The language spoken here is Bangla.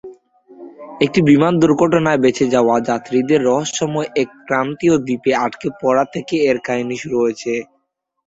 একটি বিমান দূর্ঘটনায় বেচে যাওয়া যাত্রীদের রহস্যময় এক ক্রান্তীয় দ্বীপে আটকে পড়া থেকে এর কাহিনী শুরু হয়েছে।